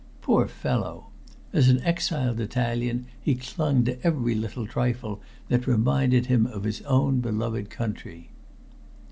Poor fellow! As an exiled Italian he clung to every little trifle that reminded him of his own beloved country.